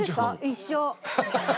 一緒！